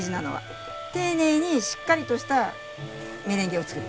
丁寧にしっかりとしたメレンゲを作る。